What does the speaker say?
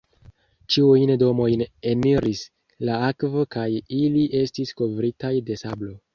Ĉiujn domojn eniris la akvo kaj ili estis kovritaj de sablo.